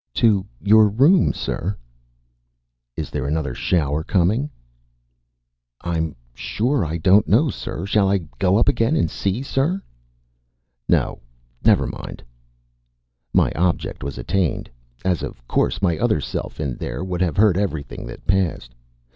"To your room, sir." "Is there another shower coming?" "I'm sure I don't know, sir. Shall I go up again and see, sir?" "No! never mind." My object was attained, as of course my other self in there would have heard everything that passed.